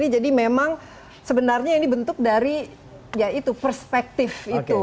jadi memang sebenarnya ini dibentuk dari perspektif itu